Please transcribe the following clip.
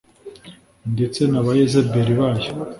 ndetse na ba Yezebeli bayo